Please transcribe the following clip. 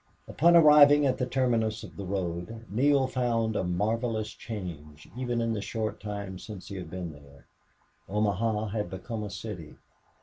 Upon arriving at the terminus of the road Neale found a marvelous change even in the short time since he had been there. Omaha had become a city.